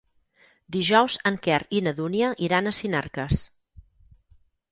Dijous en Quer i na Dúnia iran a Sinarques.